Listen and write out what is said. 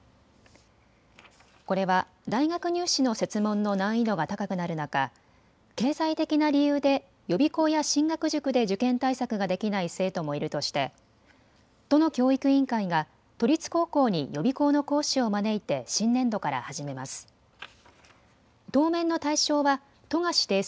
これは大学入試の設問の難易度が高くなる中、経済的な理由で予備校や進学塾で受験対策ができない生徒もいるとして都の教育委員会が都立高校に予備校の講師を招いて新年度から始めます。